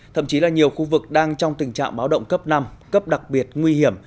thậm chí là nhiều khu vực đang trong tình trạng báo động cấp năm cấp đặc biệt nguy hiểm